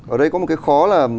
ở đây có một cái khó là